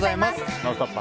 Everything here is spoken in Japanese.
「ノンストップ！」